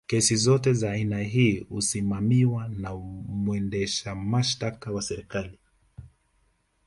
kesi zote za aina hii husimamiwa na mwendesha mashtaka wa serikali